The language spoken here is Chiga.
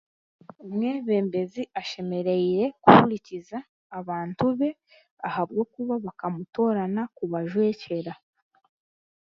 Omwebembezi ashemereire kuhurikiza abantu be ahabwokuba bakamutoorana kubajwekyera.